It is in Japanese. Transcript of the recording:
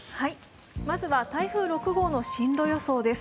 まずは台風６号の進路予想です。